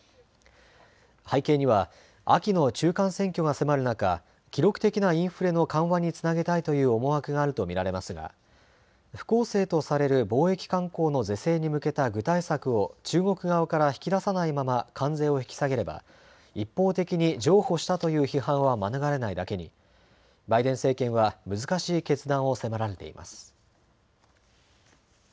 背景には秋の中間選挙が迫る中、記録的なインフレの緩和につなげたいという思惑があると見られますが、不公正とされる貿易慣行の是正に向けた具体策を中国側から引き出さないまま関税を引き下げれば一方的に譲歩したという批判は免れないだけに、バイデン政権は難しい決断を迫られています。